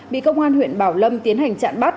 bị công an huyện bảo lâm tiến hành chặn bắt